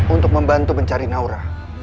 untuk membantu mencari naura